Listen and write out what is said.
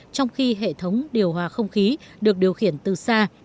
trong khi hệ thống điều hòa không khí được điều khiển từ xa